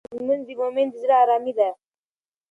مور مې وویل چې لمونځ د مومن د زړه ارامي ده.